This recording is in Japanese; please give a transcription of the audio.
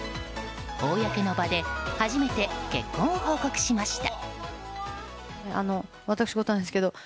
公の場で初めて結婚を報告しました。